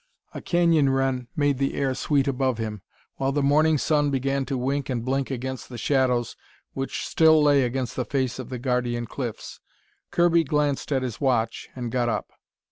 A canyon wren made the air sweet above him, while the morning sun began to wink and blink against the shadows which still lay against the face of the guardian cliffs. Kirby glanced at his watch and got up.